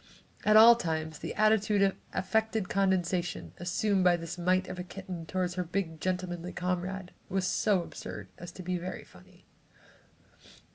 At all times, the attitude of affected condescension assumed by this mite of a kitten toward her big gentlemanly comrade, was so absurd as to be very funny.